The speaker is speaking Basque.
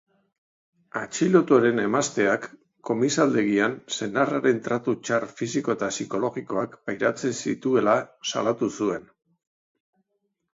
Atxilotuaren emazteak komisaldegian senarraren tratu txar fisiko eta psikologikoak pairatzen zituela salatu zuen.